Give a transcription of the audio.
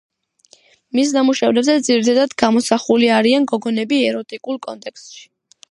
მის ნამუშევრებზე ძირითადად გამოსახულია არიან გოგონები ეროტიკულ კონტექსტში.